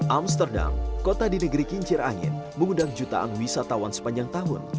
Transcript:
amsterdam kota di negeri kincir angin mengundang jutaan wisatawan sepanjang tahun